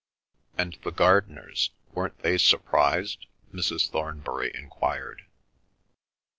"And the gardeners, weren't they surprised?" Mrs. Thornbury enquired.